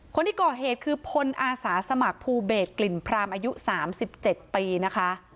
คนที่ก่อเหตุคือพลอาสาสมัครภูเบศกลิ่นพรามอายุ๓๗ปีนะคะ